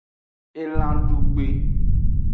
Elan dugbe.